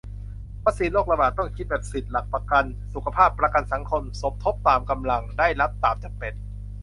วัคซีนโรคระบาด ต้องคิดแบบสิทธิ์-หลักประกันสุขภาพ-ประกันสังคม สมทบตามกำลัง ได้รับตามจำเป็น